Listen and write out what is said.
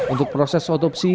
untuk proses otopsi